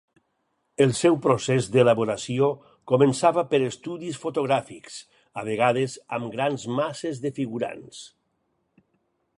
El seu procés d'elaboració començava per estudis fotogràfics, a vegades amb grans masses de figurants.